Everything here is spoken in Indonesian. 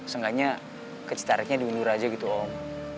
seenggaknya kecitarannya diundur aja gitu om